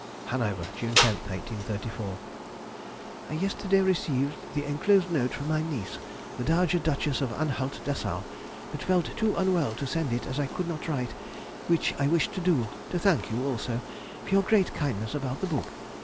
HANOVER, June 10, 1834. I yesterday received the enclosed note from my niece, the Dowager Duchess of Anhalt Dessau, but felt too unwell to send it as I could not write, which I wished to do, to thank you also for your great kindness about the book.